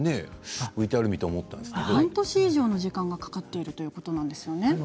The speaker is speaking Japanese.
半年以上の時間がかかっているということなんですよね。